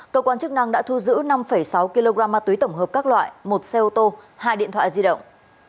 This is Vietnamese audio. cơ quan chức năng đã thu giữ năm sáu kg ma túy tổng hợp các loại một xe ô tô hai điện thoại di động